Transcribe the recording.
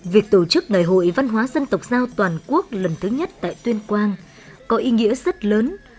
việc tổ chức ngày hội văn hóa dân tộc giao toàn quốc lần thứ nhất tại tuyên quang có ý nghĩa rất lớn